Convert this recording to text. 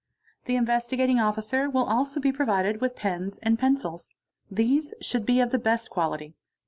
The Investigating Officer will also be provided with pens and ils. These should be of the best quality.